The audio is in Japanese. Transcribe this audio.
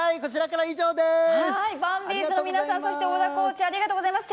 バンビーズの皆さん、そして小田コーチ、ありがとうございます。